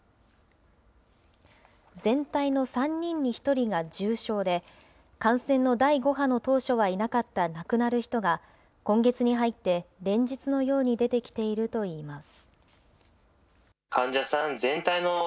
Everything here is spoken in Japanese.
全体の３人に１人が重症で、感染の第５波の当初はいなかった亡くなる人が、今月に入って連日のように出てきているといいます。